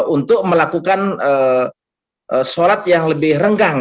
untuk melakukan sholat yang lebih renggang